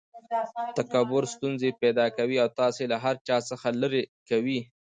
تکبر ستونزي پیدا کوي او تاسي له هر چا څخه ليري کوي.